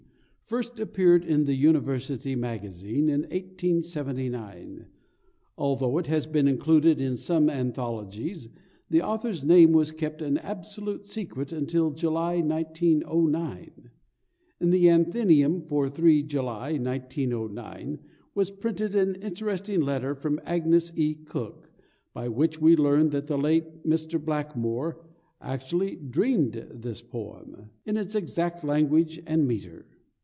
first appeared in the University Magazine in 1879. Although it has been included in some anthologies, the author's name was kept an absolute secret until July, 1909. In the Athenæum for 3 July, 1909, was printed an interesting letter from Agnes E. Cook, by which we learn that the late Mr. Blackmore actually dreamed this poem, in its exact language and metre.